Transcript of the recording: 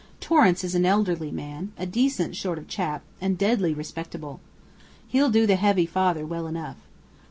Torrance is an elderly man, a decent sort of chap, and deadly respectable. He'll do the heavy father well enough.